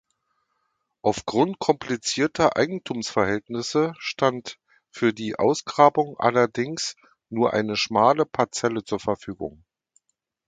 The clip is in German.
Aufgrund komplizierter Eigentumsverhältnisse stand für die Ausgrabung allerdings nur eine schmale Parzelle zur Verfügung.